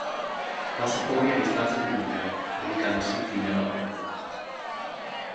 Passa poi a distanze più lunghe, dedicandosi infine alla maratona.